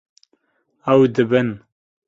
Ew dibin.